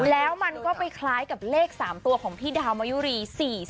แล้วมันก็ไปคล้ายกับเลข๓ตัวของพี่ดาวมายุรี๔๔